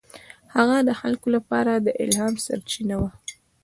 هغه د خلکو لپاره د الهام سرچینه وه.